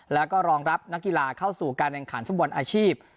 แล้วก็รองรับนักกีฬาเข้าสู่การแข่งขันฟุตบอลอาชีพ